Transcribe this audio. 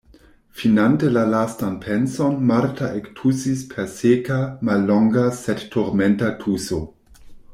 Finante la lastan penson, Marta ektusis per seka, mallonga sed turmenta tuso.